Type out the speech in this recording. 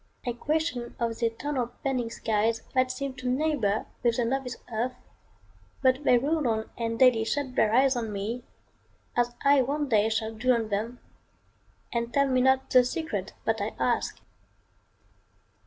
I question of th' eternal bending skies That seem to neighbor with the novice earth; But they roll on and daily shut their eyes On me, as I one day shall do on them, And tell me not the secret that I ask.